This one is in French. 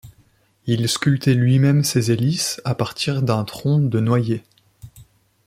Il sculptait lui-même ses hélices à partir d'un tronc de noyer.